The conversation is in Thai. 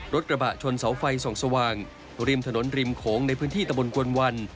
รถกระบะชนเสาไฟส่องสว่างริมถนนริมโขงในพื้นที่ตะบนกวนวัน